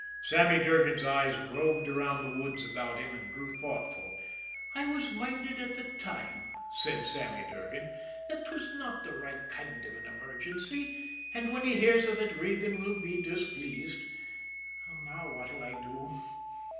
Sammy Durgan's eyes roved around the woods about him and grew thoughtful. "I was minded at the time," said Sammy Durgan, "that 'twas not the right kind of an emergency, and when he hears of it Regan will be displeased. And now what'll I do?